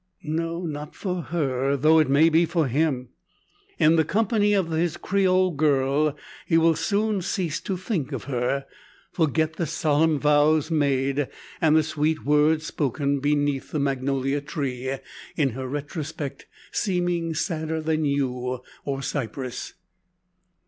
No; not for her, though it may be for him. In the company of his Creole girl he will soon cease to think of her forget the solemn vows made, and the sweet words spoken, beneath the magnolia tree, in her retrospect seeming sadder than yew, or cypress.